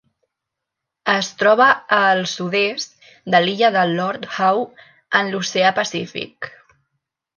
Es troba a al sud-est de l'illa de Lord Howe en l'Oceà Pacífic.